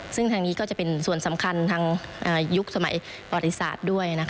ซึ่งทางนี้ก็จะเป็นส่วนสำคัญทางยุคสมัยประวัติศาสตร์ด้วย